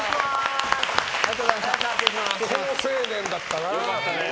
好青年だったな。